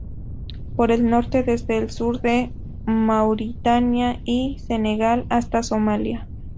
Por el norte, desde el sur de Mauritania y Senegal hasta Somalia.